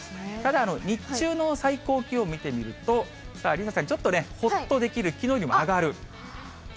ただ、日中の最高気温見てみると、梨紗ちゃん、ちょっとね、ほっとできる、きのうよりも上がる。